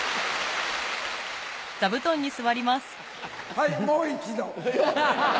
はいもう一度。